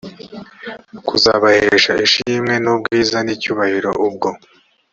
kuzabahesha ishimwe n ubwiza n icyubahiro ubwo